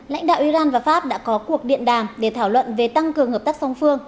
lãnh đạo iran và pháp đã có cuộc điện đàm để thảo luận về tăng cường hợp tác song phương